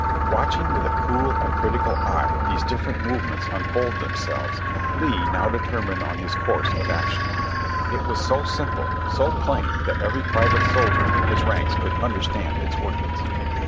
Watching with a cool and critical eye these different move ments unfold themselves, Lee now determined on his course of action. It was so simple, so plain that every private soldier in his ranks could understand its workings.